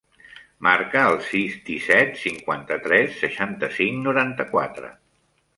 Marca el sis, disset, cinquanta-tres, seixanta-cinc, noranta-quatre.